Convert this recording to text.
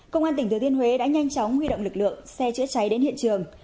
công an tỉnh thừa thiên huế đã nhanh chóng huy động lực lượng xe chữa cháy đến hiện trường